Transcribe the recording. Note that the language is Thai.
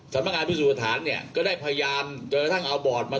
สำนักงานพิสูจน์ฐานเนี่ยก็ได้พยายามจนกระทั่งเอาบอร์ดมา